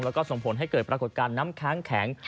แล้วก็ส่งผลให้เกิดปรากฏการณ์น้ำค้างแข็ง